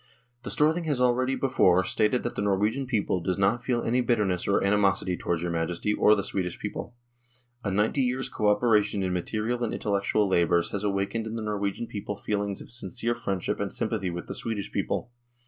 " The Storthing has already before stated that the Norwegian people does not feel any bitterness or animosity towards your Majesty or the Swedish people. ... A ninety years' co operation in material and intellectual labours has awakened in the Nor wegian people feelings of sincere friendship and sympathy with the Swedish people.